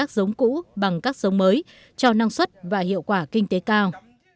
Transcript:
sống cũ bằng các sống mới cho năng suất và hiệu quả kinh tế cao